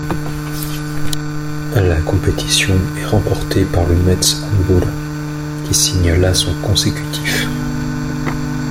La compétition est remportée par le Metz Handball qui signe là son consécutif.